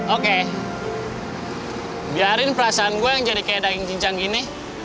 oke biarin perasaan gue yang jadi kayak daging cincang gini